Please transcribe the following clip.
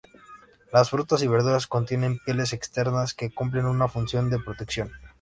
Las frutas y verduras contienen pieles externas que cumplen una función de protección.